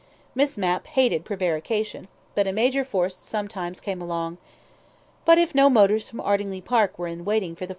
Miss Mapp hated prevarication, but a major force sometimes came along. ... But if no motors from Ardingly Park were in waiting for the 4.